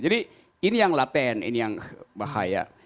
jadi ini yang laten ini yang bahaya